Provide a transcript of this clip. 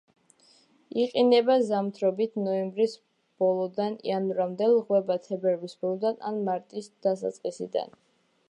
იყინება ზამთრობით, ნოემბრის ბოლოდან იანვრამდე, ლღვება თებერვლის ბოლოდან ან მარტის დასაწყისიდან.